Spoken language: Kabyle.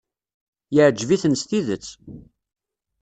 Yeɛjeb-iten s tidet.